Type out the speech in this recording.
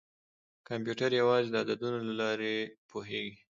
کمپیوټر یوازې د عددونو له لارې پوهېږي.